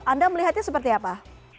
anda melihatnya seperti apa